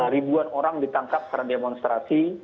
ribuan orang ditangkap secara demonstrasi